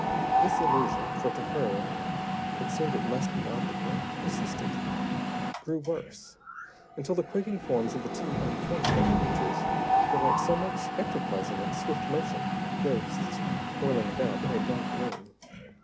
This illusion for to her, it seemed it must be optical persisted, grew worse, until the quaking forms of the two unfortunate creatures were like so much ectoplasm in swift motion, ghosts whirling about in a dark room.